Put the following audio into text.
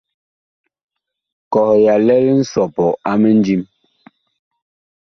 Kɔh ya lɛl nsɔpɔ a mindim.